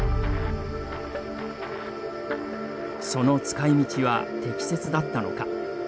その使いみちは適切だったのか。